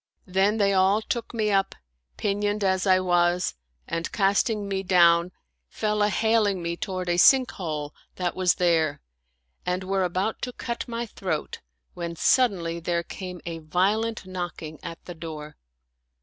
Then they all took me up, pinioned as I was, and casting me down, fell a haling me toward a sink hole that was there and were about to cut my throat, when suddenly there came a violent knocking at the door.